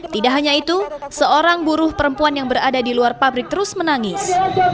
tidak hanya itu seorang buruh perempuan yang berada di luar pabrik terus menangis